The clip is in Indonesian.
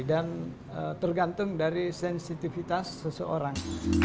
dan tergantung dari sensitivitas seseorang